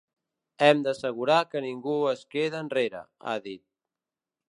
“Hem d’assegurar que ningú es queda enrere”, ha dit.